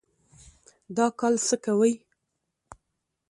دا کال څه کوئ؟